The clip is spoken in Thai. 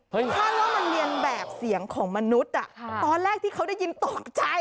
คาดว่ามันเรียนแบบเสียงของมนุษย์ตอนแรกที่เขาได้ยินตกใจ